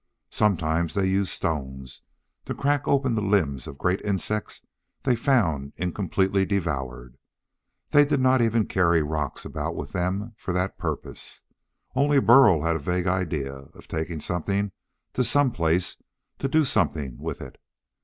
Sometimes they used stones to crack open the limbs of great insects they found incompletely devoured. They did not even carry rocks about with them for that purpose. Only Burl had a vague idea of taking something to some place to do something with it.